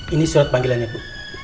ini surat panggilannya bu